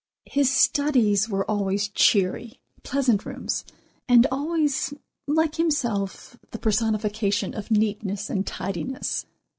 His "studies" were always cheery, pleasant rooms, and always, like himself, the personification of neatness and tidiness.